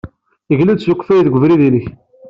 Glu-d s ukeffay deg ubrid-nnek.